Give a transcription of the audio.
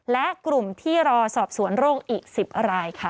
และกลุ่มที่รอสอบสวนโรคอีก๑๐รายค่ะ